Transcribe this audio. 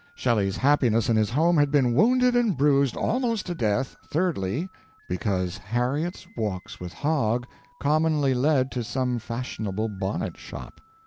Shelley's happiness in his home had been wounded and bruised almost to death, thirdly, because Harriet's walks with Hogg commonly led to some fashionable bonnet shop.